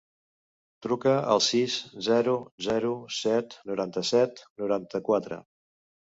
Truca al sis, zero, zero, set, noranta-set, noranta-quatre.